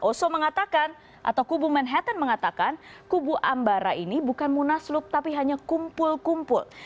oso mengatakan atau kubu manhattan mengatakan kubu ambara ini bukan munaslup tapi hanya kumpul kumpul